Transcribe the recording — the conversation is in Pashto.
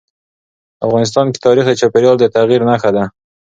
افغانستان کې تاریخ د چاپېریال د تغیر نښه ده.